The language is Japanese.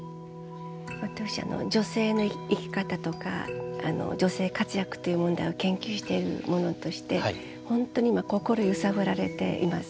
私女性の生き方とか女性活躍という問題を研究している者として本当に今心揺さぶられています。